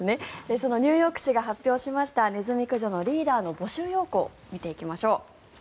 そのニューヨーク市が発表したネズミ駆除のリーダーの募集要項を見ていきましょう。